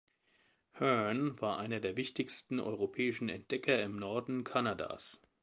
Hearne war einer der wichtigsten europäischen Entdecker im Norden Kanadas.